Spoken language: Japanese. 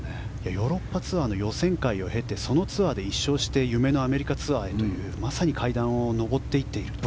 ヨーロッパツアーの予選会を経てそのツアーで１勝して夢のアメリカツアーへというまさに階段を上っていっているという。